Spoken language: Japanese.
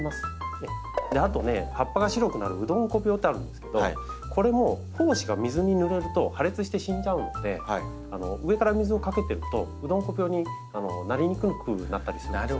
あとね葉っぱが白くなる「ウドンコ病」ってあるんですけどこれも胞子が水にぬれると破裂して死んじゃうので上から水をかけてるとウドンコ病になりにくくなったりするんですね。